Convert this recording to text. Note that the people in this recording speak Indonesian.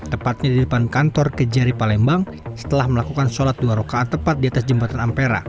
tepatnya di depan kantor kejari palembang setelah melakukan sholat dua rokaat tepat di atas jembatan ampera